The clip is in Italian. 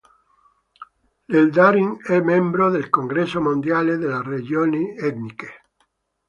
L'Eldaring è membro del Congresso mondiale delle religioni etniche.